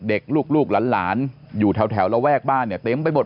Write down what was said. ลูกหลานอยู่แถวระแวกบ้านเนี่ยเต็มไปหมด